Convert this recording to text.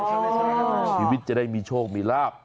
ชีวิตจะได้มีโชคมีลาบ